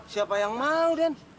siapa yang mau den